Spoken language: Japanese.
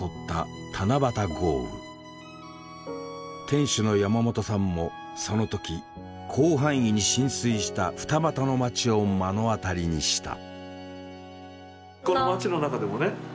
店主の山本さんもその時広範囲に浸水した二俣の街を目の当たりにした。